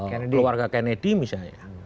keluarga kennedy misalnya